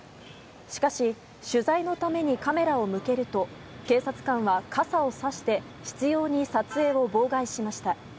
しかし、取材のためにカメラを向けると警察官は傘をさして執拗に撮影を妨害しました。